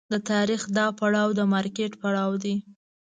د تاریخ دا پړاو د مارکېټ پړاو دی.